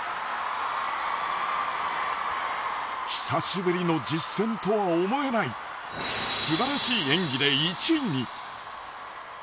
久しぶりの実戦とは思えないすばらしい演技で１位に！